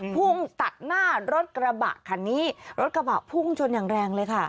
พุ่งตัดหน้ารถกระบะคันนี้รถกระบะพุ่งชนอย่างแรงเลยค่ะ